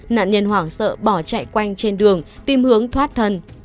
nạn nhân hoảng sợ bỏ chạy quanh trên đường tìm hướng thoát thần